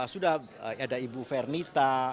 sudah ada ibu vernita